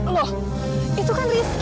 loh itu kan rizky